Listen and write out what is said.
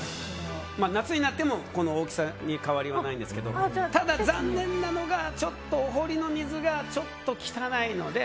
夏になってもこの大きさに変わりはないんですがただ、残念なのがお堀の水がちょっと汚いので。